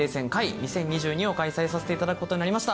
２０２０年を開催させていただくことになりました。